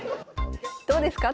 どうですか？